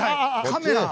カメラ。